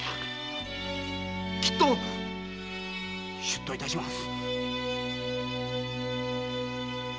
きっと出頭致します。